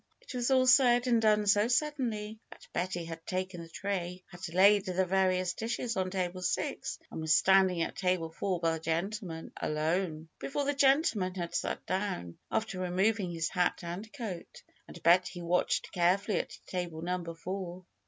'' It was all said and done so suddenly that Betty had taken the tray, had laid the various dishes on table six and was standing at table four by the gentleman ^^alone" before the gentleman had sat down, after removing his hat and coat. And Betty watched carefully at table number four.